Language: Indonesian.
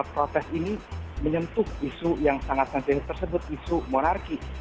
protes ini menyentuh isu yang sangat sensitif tersebut isu monarki